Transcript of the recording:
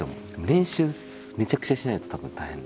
練習めちゃくちゃしないと多分大変で。